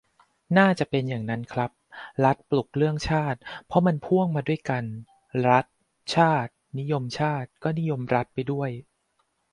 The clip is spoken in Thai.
น่าจะเป็นอย่างนั้นครับ รัฐปลุกเรื่องชาติ เพราะมันพ่วงมาด้วยกัน รัฐ-ชาติ นิยมชาติ ก็นิยมรัฐไปด้วย